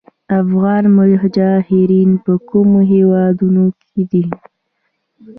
افغان مهاجرین په کومو هیوادونو کې دي؟